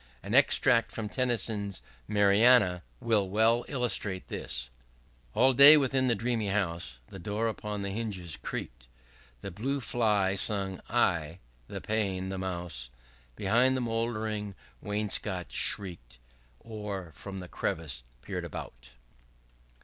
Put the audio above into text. An extract from Tennyson's 'Mariana' will well illustrate this: "All day within the dreamy house, The door upon the hinges creaked, The blue fly sung i' the pane; the mouse Behind the mouldering wainscot shrieked, Or from the crevice peered about."